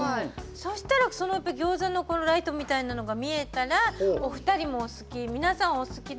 そうしたら、やっぱりギョーザのこのライトみたいなのが見えたらお二人も好き、皆さんお好きで。